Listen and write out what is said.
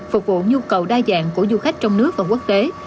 phục vụ nhu cầu đa dạng của du khách trong nước và quốc tế